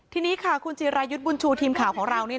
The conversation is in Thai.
ทีนี้ค่ะคุณจิรายุทธ์บุญชูทีมข่าวของเรา